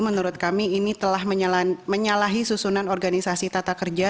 menurut kami ini telah menyalahi susunan organisasi tata kerja